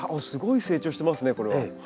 すごい成長してますねこれは。